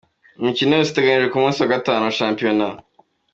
Imikino yose iteganyijwe ku munsi wa gatanu wa Shampiyona: .